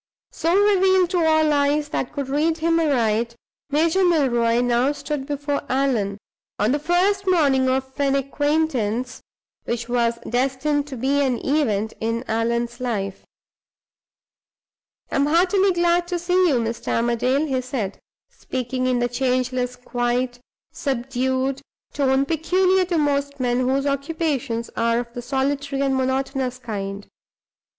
So revealed to all eyes that could read him aright, Major Milroy now stood before Allan, on the first morning of an acquaintance which was destined to be an event in Allan's life. "I am heartily glad to see you, Mr. Armadale," he said, speaking in the changeless quiet, subdued tone peculiar to most men whose occupations are of the solitary and monotonous kind.